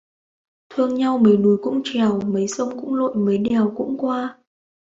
Thương nhau mấy núi cũng trèo, mấy sông cũng lội mấy đèo cũng qua